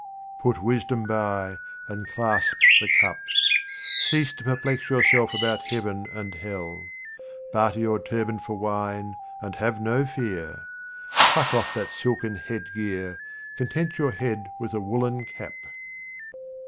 Put wisdom by, and clasp the cup. Cease to perplex yourself about heaven and hell. Barter your turban for wine and have no fear. Pluck off that silken headgear — content your head with a woollen cap.